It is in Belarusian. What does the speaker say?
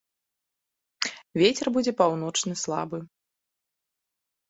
Вецер будзе паўночны слабы.